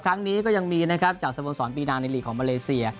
ครั้งนี้ก็ยังมีนะครับจากสโมสรปีนางในลีกของมาเลเซีย